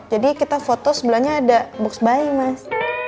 jadi kita foto sebelahnya ada box bayi mas